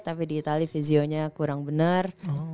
tapi di itali videonya kurang benar